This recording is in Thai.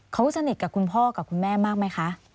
เขาสนิทกับคุณพ่อกับคุณแม่มากไหมคะ